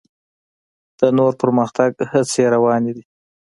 د نور پرمختګ هڅې یې روانې دي.